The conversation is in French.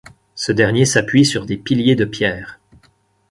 Ce dernier s'appuie sur des piliers de pierre.